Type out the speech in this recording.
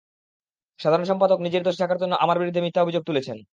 সাধারণ সম্পাদক নিজের দোষ ঢাকার জন্য আমার বিরুদ্ধে মিথ্যা অভিযোগ তুলছেন।